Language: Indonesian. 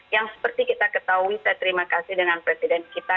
yang seperti kita ketahui saya terima kasih dengan presiden kita